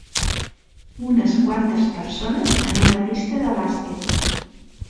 Unes quantes persones en una pista de bàsquet.